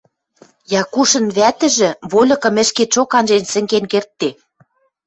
Якушын вӓтӹжӹ вольыкым ӹшкетшок анжен сӹнген кердде.